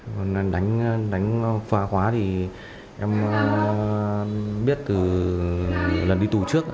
còn đánh phá khóa thì em biết từ lần đi tù trước